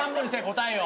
答えを！